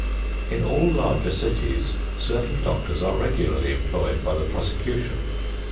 In all larger cities, certain doctors are regularly employed by the prosecution.